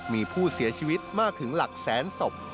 มีผู้เสียชีวิตมากถึงหลักแสนศพ